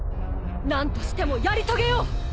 何としてもやり遂げよう！